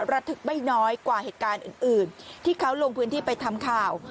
ระทึกไม่น้อยกว่าเหตุการณ์อื่นที่เขาลงพื้นที่ไปทำข่าว